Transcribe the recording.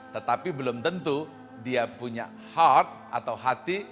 tetapi belum tentu dia punya heart atau hati